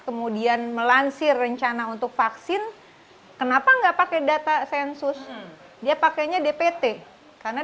kemudian melansir rencana untuk vaksin kenapa enggak pakai data sensus dia pakainya dpt karena